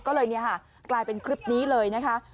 ก็เลยกลายเป็นคลิปนี้เลยนะคะ